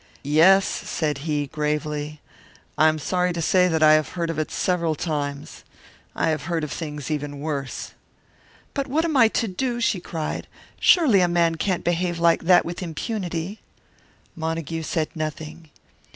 "Yes," said he, gravely, "I am sorry to say that I have heard of it several times. I have heard of things even worse." "But what am I to do?" she cried. "Surely a man can't behave like that with impunity." Montague said nothing.